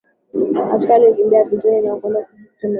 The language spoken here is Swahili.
askari walikimbia vitani na kwenda kujificha maeneo ya mbali